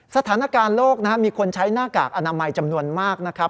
สถานการณ์โลกนะครับมีคนใช้หน้ากากอนามัยจำนวนมากนะครับ